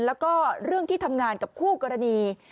แล้วก็เรื่องที่ทำงานกับคู่กรณี